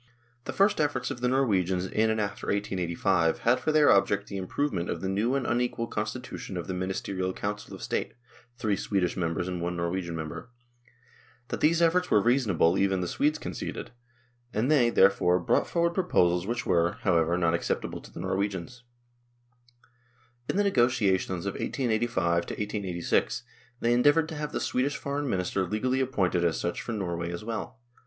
The first efforts of the Norwegians in and after 1885 had for their object the improvement of the new and unequal constitution of the Ministerial Council of State (three Swedish members and one Norwegian member). That these efforts were reasonable even the Swedes conceded ; and they, therefore, brought forward proposals which were, however, not accept 56 NORWAY AND THE UNION WITH SWEDEN able to the Norwegians. In the negotiations of 1885 1886 they endeavoured to have the Swedish Foreign Minister legally appointed as such for Norway as well.